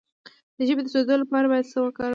د ژبې د سوځیدو لپاره باید څه شی وکاروم؟